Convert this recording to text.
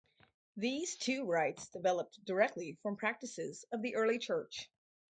These two Rites developed directly from practices of the Early Church.